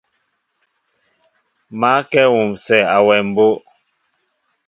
Ma kɛ wusɛ awem mbóʼ.